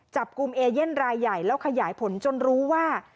จับกลุ่มเอเย่นรายใหญ่แล้วขยายผลจนรู้ว่า